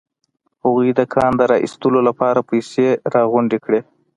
هغوی د کان د را ايستلو لپاره پيسې راغونډې کړې.